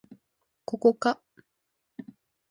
ここか